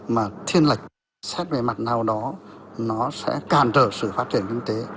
mà thiên lệch xét về mặt nào đó nó sẽ càn trở sự phát triển kinh tế